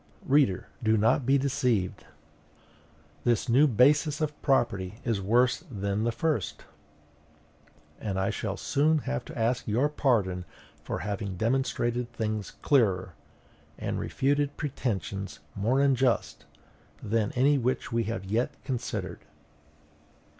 Reader, do not be deceived. This new basis of property is worse than the first, and I shall soon have to ask your pardon for having demonstrated things clearer, and refuted pretensions more unjust, than any which we have yet considered.